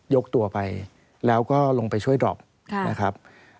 ยกตัวไปแล้วก็ลงไปช่วยดรอปนะครับ